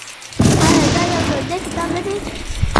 آیا دا یو ژوندی کتاب نه دی؟